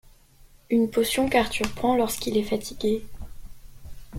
Une potion qu'Arthur prend lorsqu'il est fatigué.